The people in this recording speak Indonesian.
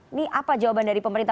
ini apa jawaban dari pemerintah